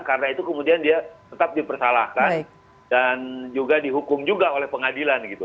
karena itu kemudian dia tetap dipersalahkan dan juga dihukum juga oleh pengadilan gitu